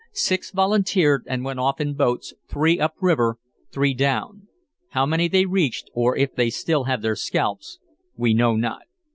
Six volunteered, and went off in boats, three up river, three down. How many they reached, or if they still have their scalps, we know not.